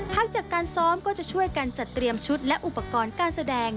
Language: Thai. จากการซ้อมก็จะช่วยกันจัดเตรียมชุดและอุปกรณ์การแสดง